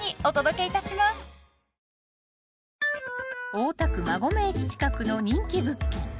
［大田区馬込駅近くの人気物件］